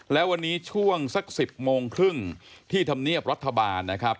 และวันนี้ช่วงสัก๑๐โมงครึ่งที่ธรรมเนียบรัฐบาลนะครับ